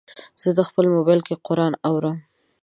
زه خپل موبایل کې قرآن اورم.